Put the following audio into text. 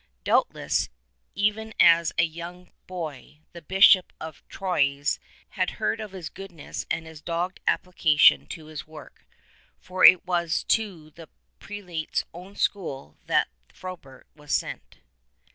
Doubtless even as a young boy the Bishop of Troyes had heard of his goodness and his dogged application to his work, for it was to the prelate's own school that Frobert was sent.